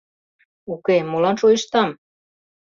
— Уке, молан шойыштам...